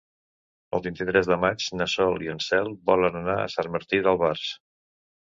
El vint-i-tres de maig na Sol i na Cel volen anar a Sant Martí d'Albars.